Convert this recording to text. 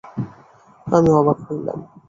আমি অবাক হইলাম।